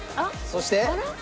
そして。